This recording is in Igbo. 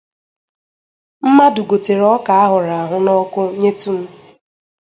Mmadụ gotere ọka a hụrụ n’ọkụ nyetụ m